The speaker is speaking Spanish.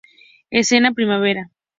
Escena Primera.